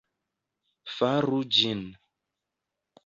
Faru ĝin